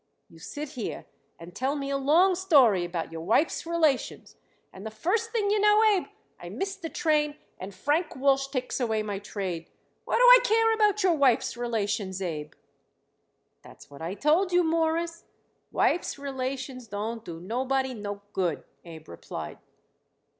"You sit here and tell me a long story about your wife's relations, and the first thing you know, Abe, I miss the train and Frank Walsh takes away my trade. What do I care about your wife's relations, Abe?" "That's what I told you, Mawruss. Wife's relations don't do nobody no good," Abe replied.